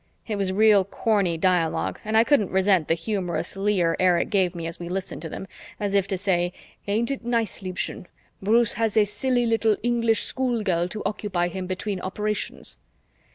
It was real corny dialogue and I couldn't resent the humorous leer Erich gave me as we listened to them, as if to say, "Ain't it nice, Liebchen, Bruce has a silly little English schoolgirl to occupy him between operations?"